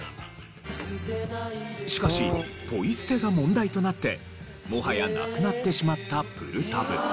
しかしポイ捨てが問題となってもはやなくなってしまったプルタブ。